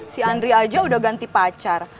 si andri aja udah ganti pacar